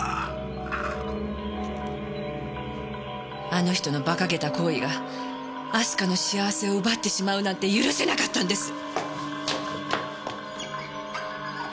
あの人のバカげた行為が明日香の幸せを奪ってしまうなんて許せなかったんです！